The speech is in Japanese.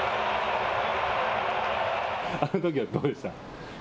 あのときはどうでした？